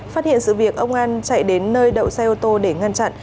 phát hiện sự việc ông an chạy đến nơi đậu xe ô tô để ngăn chặn